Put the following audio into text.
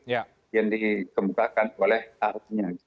yang dikemukakan oleh artinya